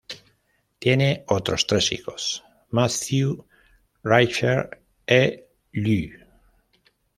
Tiene otros tres hijos: Mathieu, Richard et Lou.